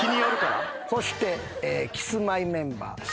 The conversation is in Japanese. そしてキスマイメンバー。